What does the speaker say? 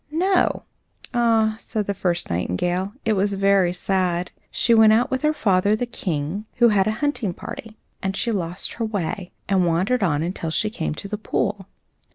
"No." "Ah!" said the first nightingale, "it was very sad. She went out with her father, the King, who had a hunting party; and she lost her way, and wandered on until she came to the pool.